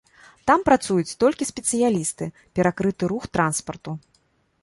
Там працуюць толькі спецыялісты, перакрыты рух транспарту.